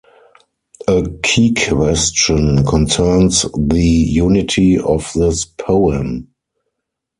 A key question concerns the unity of this poem.